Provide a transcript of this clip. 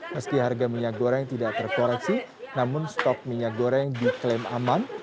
meski harga minyak goreng tidak terkoreksi namun stok minyak goreng diklaim aman